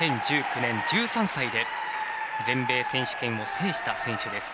２０１９年、１３歳で全米選手権を制した選手。